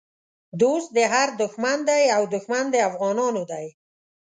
دوست د هر دښمن دی او دښمن د افغانانو دی